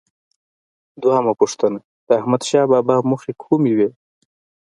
دویمه پوښتنه: د احمدشاه بابا موخې کومې وې؟